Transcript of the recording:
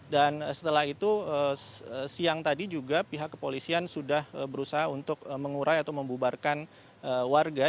dan setelah itu siang tadi juga pihak kepolisian sudah berusaha untuk mengurai atau membubarkan warga